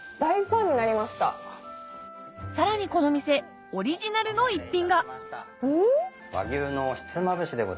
さらにこの店オリジナルの一品がうわ！